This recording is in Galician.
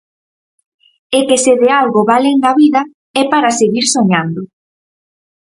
E que se de algo valen na vida, é para seguir soñando.